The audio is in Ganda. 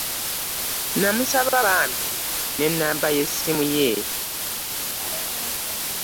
Namusaba bambi n'ennamba y'essimu ye.